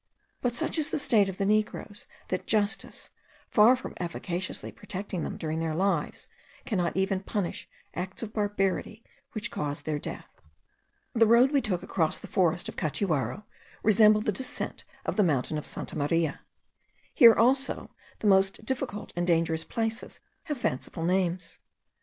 But such is the state of the negroes, that justice, far from efficaciously protecting them during their lives, cannot even punish acts of barbarity which cause their death. The road we took across the forest of Catuaro resembled the descent of the mountain Santa Maria; here also, the most difficult and dangerous places have fanciful names.